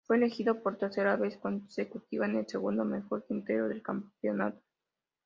Fue elegido por tercera vez consecutiva en el segundo mejor quinteto del campeonato.